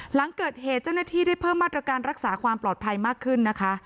หลังเกิดเหตุเจ้าหน้าที่ได้เพิ่มมาตรการรักษาความปลอดภัยมากขึ้นนะคะ